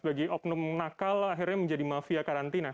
bagi oknum nakal akhirnya menjadi mafia karantina